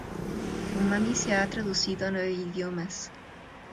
Umami se ha traducido a nueve idiomas.